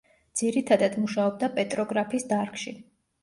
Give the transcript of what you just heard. ძირითადად მუშაობდა პეტროგრაფიის დარგში.